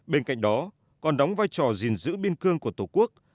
bên cạnh đó còn đóng vai trò gìn giữ biên cương của tổ quốc